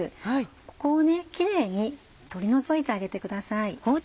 ここをキレイに取り除いてあげてください。